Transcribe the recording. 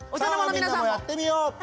さあみんなもやってみよう！